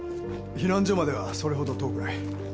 避難所まではそれほど遠くない。